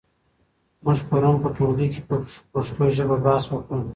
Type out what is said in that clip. موږ پرون په ټولګي کې پر پښتو ژبه بحث وکړ.